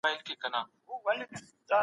تمدن پيل او پای لري.